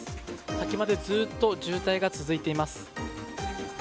先までずっと渋滞が続いています。